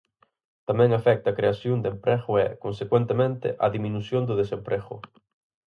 Tamén afecta a creación de emprego e, consecuentemente, a diminución do desemprego.